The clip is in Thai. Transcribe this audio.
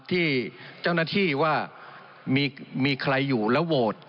ที่เจ้าหน้าที่ว่ามีใครอยู่แล้วโหวต